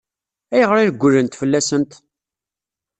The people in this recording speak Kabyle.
Ayɣer i regglent fell-asent?